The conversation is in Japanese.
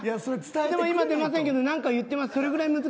でも今出ませんけど何か言ってました。